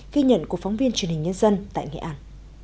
ghi nhận của phóng viên truyền hình nhân dân tại nghệ an